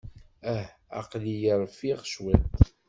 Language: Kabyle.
Ah, aql-iyi rfiɣ cwiṭ!